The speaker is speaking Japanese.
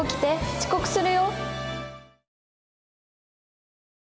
遅刻するよ。